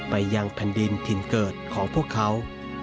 ไปยังแผ่นดินถิ่นเกิดของพวกเขา